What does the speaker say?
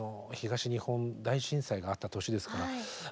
東日本大震災があった年ですから。